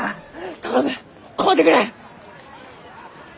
頼む買うてくれ！